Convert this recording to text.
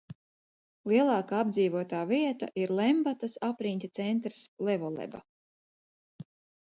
Lielākā apdzīvotā vieta ir Lembatas apriņķa centrs Levoleba.